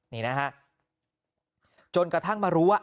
นี่นะฮะจนกระทั่งมารู้ว่า